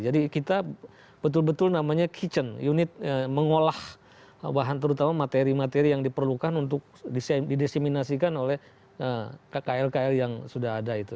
kita betul betul namanya kitchen unit mengolah bahan terutama materi materi yang diperlukan untuk didesiminasikan oleh kkl kl yang sudah ada itu